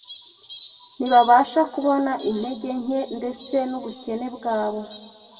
Ntibabasha kubona intege nke ndetse n’ubukene bwabo